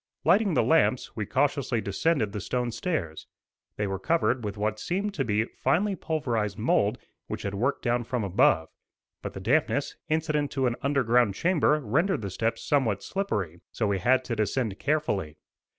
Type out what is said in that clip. Lighting the lamps, we cautiously descended the stone stairs. They were covered with what seemed to be finely pulverized mould which had worked down from above; but the dampness, incident to an underground chamber rendered the steps somewhat slippery, so we had to descend carefully.